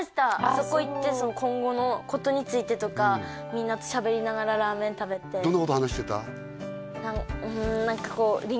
そこ行って今後のことについてとかみんなとしゃべりながらラーメン食べてどんなこと話してた？